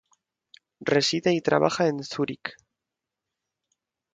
Reside y trabaja en Zúrich.